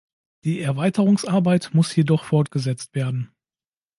Die Erweiterungsarbeit muss jedoch fortgesetzt werden.